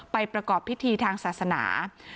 ประกอบพิธีทางศาสนา